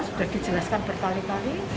sudah dijelaskan bertali tali